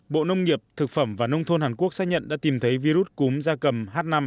bộ nông nghiệp thực phẩm và nông thôn hàn quốc xác nhận đã tìm thấy virus cúm da cầm h năm